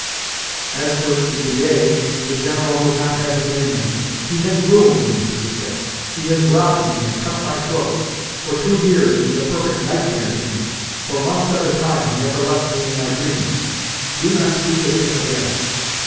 As for De Griers, the General would not have his name mentioned. "He has ruined me," he would say. "He has robbed me, and cut my throat. For two years he was a perfect nightmare to me. For months at a time he never left me in my dreams. Do not speak of him again."